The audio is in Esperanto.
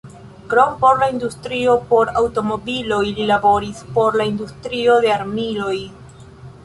Krom por la industrio por aŭtomobiloj, li laboris por la industrio de armiloj.